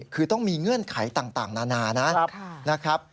คือต้องมีเงื่อนไขต่างนานานะครับ